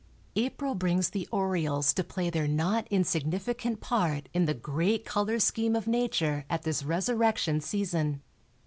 April brings the orioles to play their not insignificant part in the great color scheme of Nature at this resurrection season.